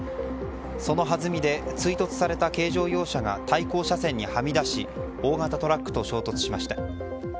そのはずみで追突された軽乗用車が対向車線にはみ出し大型トラックと衝突しました。